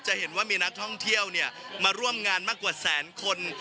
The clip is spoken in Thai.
จะเห็นว่ามีนักท่องเที่ยวมาร่วมงานมากกว่าแสนคน